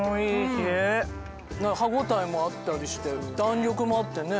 歯応えもあったりして弾力もあってね。